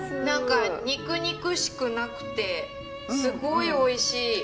何か肉肉しくなくてすごいおいしい。